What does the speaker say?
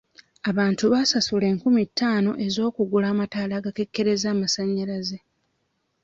Abantu baasasula enkumi ttaano ez'okugula amataala agakekereza amasanyalaze.